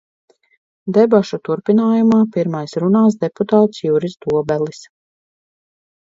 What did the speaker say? Debašu turpinājumā pirmais runās deputāts Juris Dobelis.